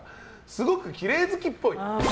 すごくきれい好きっぽい。